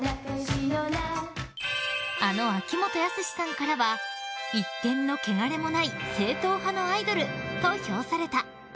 あの秋元康さんからは一点のけがれもない正統派のアイドルと評された。